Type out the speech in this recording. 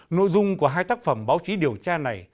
nội dung của hai tác phẩm báo chí điều tra này